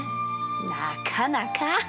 なかなか！